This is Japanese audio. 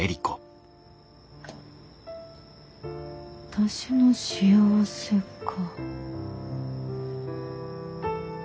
私の幸せか。